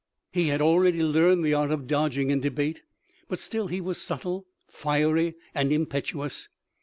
He had already learned the art of dodging in debate, but still he was subtle, fiery, and impetuous.